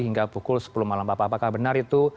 hingga pukul sepuluh malam bapak apakah benar itu